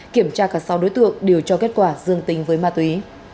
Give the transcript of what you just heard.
kiểm tra cả sáu đối tượng đều cho kết quả dương tính với ma túy